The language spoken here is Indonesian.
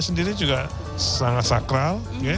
sendiri juga sangat sakral